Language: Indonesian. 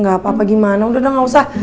gak apa apa gimana udah gak usah